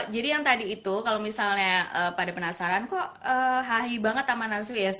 jadi yang tadi itu kalau misalnya pada penasaran kok hahi banget taman narsu ya